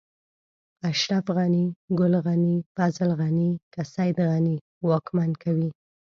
اشرف غني، ګل غني، فضل غني، که سيد غني واکمن کوي.